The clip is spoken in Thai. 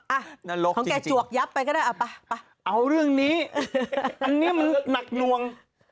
อ่ะของแกจวกยับไปก็ได้เอาเรื่องนี้อันนี้มันหนักนวง